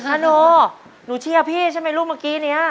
อาโนหนูเชียร์พี่ใช่ไหมลูกเมื่อกี้นี้